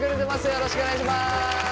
よろしくお願いします。